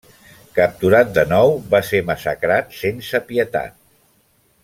Capturat de nou, va ser massacrat sense pietat.